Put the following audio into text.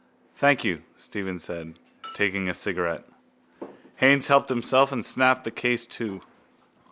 —Thank you, Stephen said, taking a cigarette. Haines helped himself and snapped the case to.